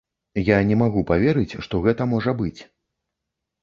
Я не магу паверыць, што гэта можа быць.